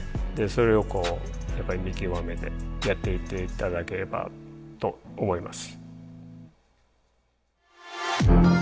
それをこう見極めてやっていって頂ければと思います。